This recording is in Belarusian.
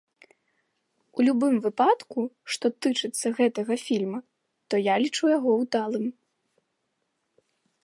У любым выпадку, што тычыцца гэтага фільма, то я лічу яго ўдалым.